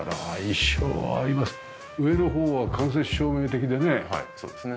上の方は間接照明的でね。